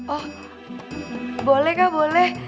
oh boleh kak boleh